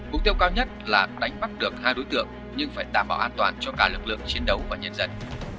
mục tiêu cao nhất là đánh bắt được hai đối tượng nhưng phải đảm bảo an toàn cho cả lực lượng chiến đấu và nhân dân